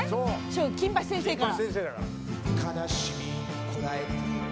「『金八先生』から」